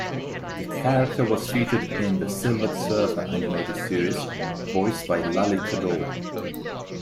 The character was featured in the "Silver Surfer" animated series, voiced by Lally Cadeau.